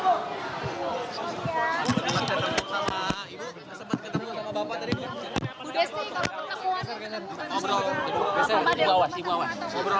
bagi sedikit bang bagi sedikit bang